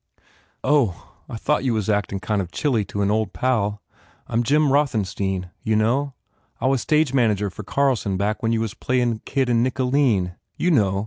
"Oh, I thought you was actin kind of chilly to an old pal. I m Jim Rothenstein. You know? I was stage manager for Carlson back when you was playin the kid in Nicoline. You know.